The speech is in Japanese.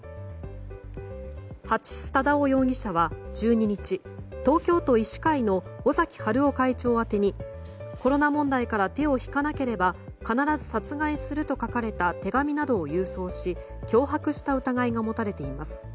蜂須忠夫容疑者は１２日東京都医師会の尾崎治夫会長宛てにコロナ問題から手を引かなければ必ず殺害すると書かれた手紙などを郵送し脅迫した疑いが持たれています。